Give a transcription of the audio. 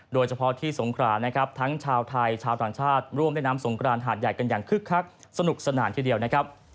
โดยเฉพาะที่สงขรานะครับทั้งชาวไทยชาวต่างชาติร่วมเล่นน้ำสงกรานหาดใหญ่กันอย่างคึกคักสนุกสนานทีเดียวนะครับ